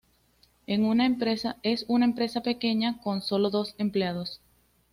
Es una empresa pequeña, con sólo dos empleados.